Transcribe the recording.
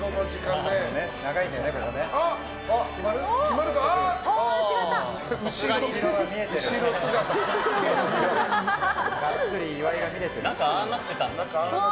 がっつり岩井が見える。